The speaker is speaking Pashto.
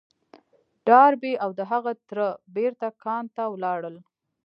ډاربي او د هغه تره بېرته کان ته ولاړل.